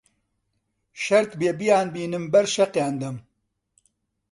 شەرت بێ بیانبینم بەر شەقیان دەم!